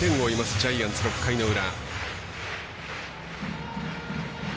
ジャイアンツ６回の裏。